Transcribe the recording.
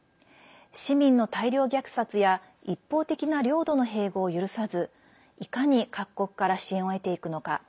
市民の大量虐殺や一方的な領土の併合を許さずいかに各国から支援を得ていくのか。